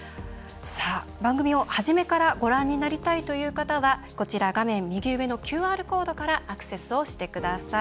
番組を初めからご覧になりたいという方は画面右上のＱＲコードからアクセスをしてください。